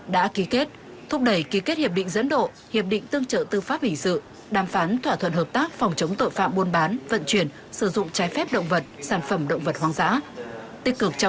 đã ký kết thúc đẩy ký kết hiệp định dẫn độ hiệp định tương trợ tư pháp hình sự đàm phán thỏa thuận hợp tác phòng chống tội phạm buôn bán vận chuyển sử dụng trái phép động vật sản phẩm động vật hoang dã